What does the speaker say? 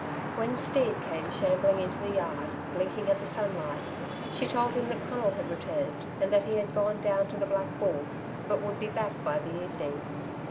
When Steve came shambling into the yard, blinking at the sunlight, she told him that Conal had returned and that he had gone down to the Black Bull, but would be back by the evening.